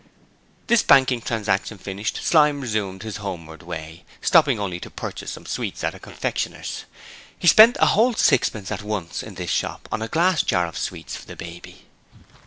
This banking transaction finished, Slyme resumed his homeward way, stopping only to purchase some sweets at a confectioner's. He spent a whole sixpence at once in this shop on a glass jar of sweets for the baby.